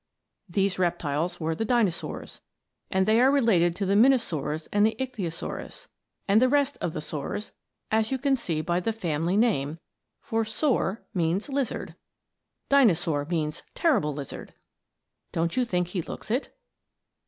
These reptiles were the Dinosaurs, and they are related to the Minosaurs and the Ichthyosaurus, and the rest of the Saurs, as you can see by the family name; for "saur" means lizard. Dinosaur means "terrible lizard." Don't you think he looks it?